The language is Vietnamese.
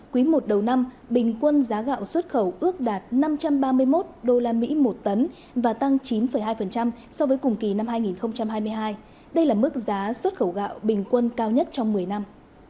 quý i đầu năm bình quân giá gạo xuất khẩu ước đạt năm trăm ba mươi một usd một tấn và tăng chín hai so với cùng kỳ năm hai nghìn hai mươi hai đây là mức giá xuất khẩu gạo bình quân cao nhất trong một mươi năm